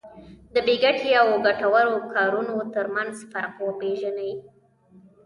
د بې ګټې او ګټورو کارونو ترمنځ فرق وپېژني.